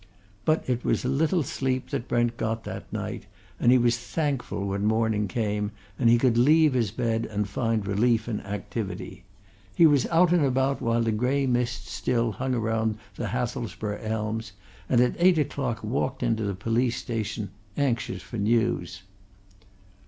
But it was little sleep that Brent got that night, and he was thankful when morning came and he could leave his bed and find relief in activity. He was out and about while the grey mists still hung around the Hathelsborough elms, and at eight o'clock walked into the police station, anxious for news.